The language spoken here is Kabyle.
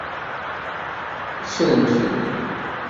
Ffren fell-i.